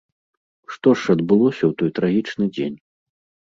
Што ж адбылося ў той трагічны дзень?